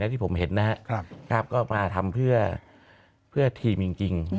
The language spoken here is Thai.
ที่ผมเห็นนะครับก็มาทำเพื่อทีมจริง